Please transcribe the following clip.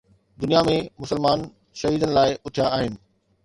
دنيا ۾ مسلمان شهيدن لاءِ اٿيا آهن.